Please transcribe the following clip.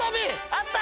あった！